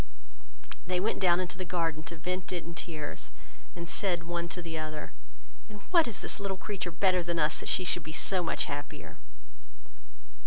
They went down into the garden to vent it in tears; and said one to the other, "In what is this little creature better than us, that she should be so much happier?"